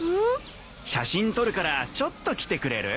写真撮るからちょっと来てくれる？